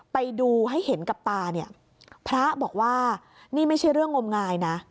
ไปดูให้เห็นกับตาเนี่ยพระบอกว่านี่ไม่ใช่เรื่องงมงายนะ